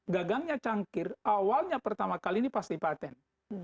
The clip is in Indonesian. gagangnya cangkir awalnya pertama kali ini pasti patent